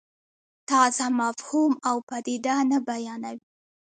تازه مفهوم او پدیده نه بیانوي.